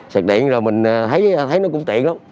xạc điện rồi mình thấy nó cũng tiện lắm